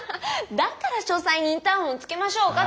だから書斎にインターホンつけましょうかってこの間。